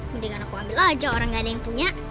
mendingan aku ambil aja orang gak ada yang punya